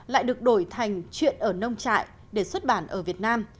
lại được đổi thành chuyện ở nông trại để xuất bản ở việt nam